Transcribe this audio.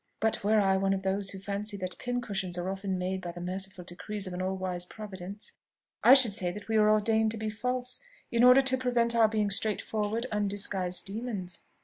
But were I one of those who fancy that pincushions are often made by the merciful decrees of an all wise Providence, I should say that we were ordained to be false, in order to prevent our being straightforward, undisguised demons.